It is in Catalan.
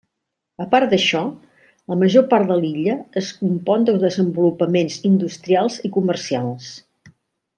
A part d'això, la major part de l'illa es compon de desenvolupaments industrials i comercials.